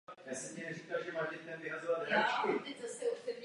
Bez dobře vyškoleného personálu nemůžeme mít kvalitní odvětví cestovního ruchu.